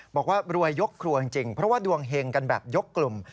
บอกว่ารวยยกครัวจริงเพราะว่าดวงเฮงกันแบบยกกลุ่ม